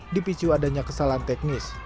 dipicu adanya kesalahan teknis